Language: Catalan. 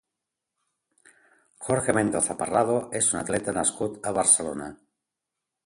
Jorge Mendoza Parrado és un atleta nascut a Barcelona.